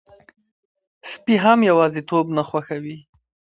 سپي هم یواځيتوب نه خوښوي.